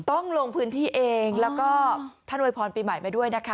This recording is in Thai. ต้องลงพื้นที่เองแล้วก็ท่านอวยพรปีใหม่ไปด้วยนะคะ